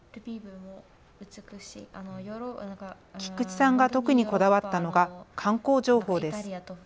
菊地さんが特にこだわったのが観光情報です。